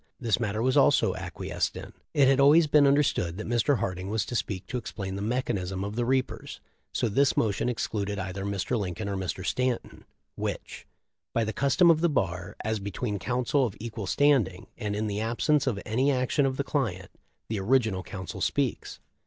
This matter was also acquiesced in. It had always been understood that Mr. Harding was to speak to explain the mechanism of the reapers. So this motion excluded either Mr. Lincoln or Mr. Stanton, — which? By the custom of the bar, as between counsel of equal standing, and in the absence of any action of the client, the original counsel speaks.